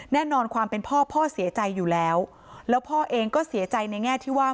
แน่นอนความเป็นพ่อพ่อเสียใจอยู่แล้วแล้วพ่อเองก็เสียใจในแง่ที่ว่า